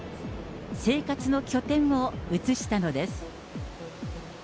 生活の拠点を移したのです。